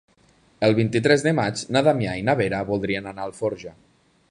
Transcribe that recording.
El vint-i-tres de maig na Damià i na Vera voldrien anar a Alforja.